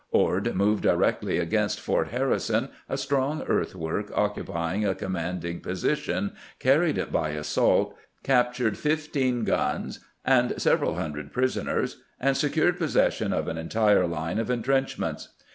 Ord moved directly against Fort Harrison, a strong earthwork occupying a commanding position, carried it by assault, captured fifteen guns and several hundred prisoners, and secured possession of an entire line of intrenchments.